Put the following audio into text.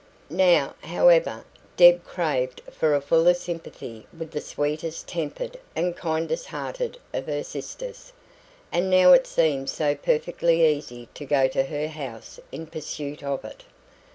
Now, however, Deb craved for a fuller sympathy with the sweetest tempered and kindest hearted of her sisters, and now it seemed so perfectly easy to go to her house in pursuit of it.